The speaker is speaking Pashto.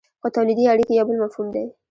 خو تولیدي اړیکې یو بل مفهوم دی.